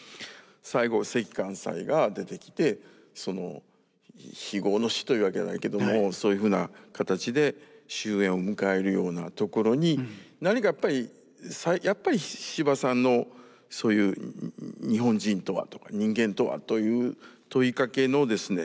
最後関寛斎が出てきてその非業の死というわけではないけどもそういうふうな形で終焉を迎えるようなところに何かやっぱり司馬さんのそういう「日本人とは」とか「人間とは」という問いかけのですね